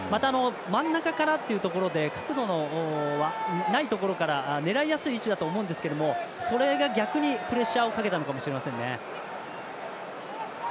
真ん中からっていうところで角度がないところから狙いやすい位置だと思うんですけれどもそれが逆にプレッシャーをかけたのかもしれませんね。